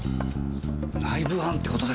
内部犯って事ですか？